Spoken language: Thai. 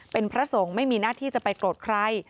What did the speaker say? เป็นพระสงฆ์ไม่มีหน้าที่จะไปโกรธใคร